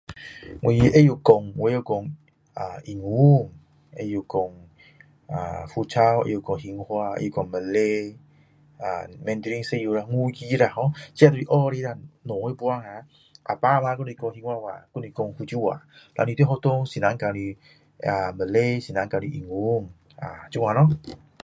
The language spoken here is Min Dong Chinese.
我会说我会说啊英文会说啊 foo chao 会讲兴华会讲 malay 呃 mandarin 一点啦五个啦 ho 这就是学的啦小时候啊阿爸阿妈都是讲兴华话还是说福州话然后你在学校老师教 Malay 老师教你英文啊这样咯